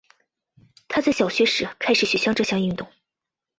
她在小学时开始学习这项运动。